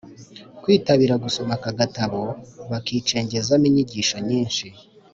kwitabira gusoma aka gatabo, bakicengezamo inyigisho nyinshi